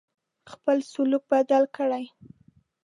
خپل سلوک بدل کړی.